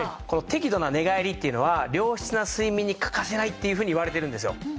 この適度な寝返りっていうのは良質な睡眠に欠かせないっていうふうにいわれているんですよ。